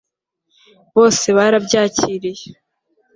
bose barabyakiriye